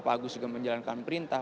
pak agus juga menjalankan perintah